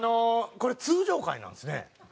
これ通常回なんですね。